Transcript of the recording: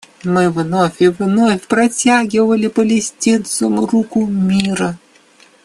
Мы вновь и вновь протягивали палестинцам руку мира.